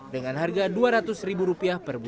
dengan harga rp dua ratus